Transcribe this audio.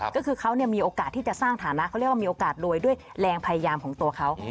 ก็คือเขามีโอกาสที่จะสร้างฐานะเขาเรียกว่ามีโอกาสรวยด้วยแรงพยายามของตัวเขา